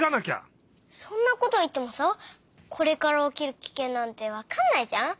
そんなこといってもさこれからおきるキケンなんてわかんないじゃん？